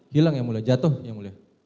hilang yang mulia jatuh yang mulia